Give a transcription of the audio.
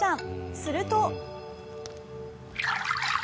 すると。